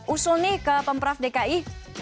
usul nih ke pemprov dki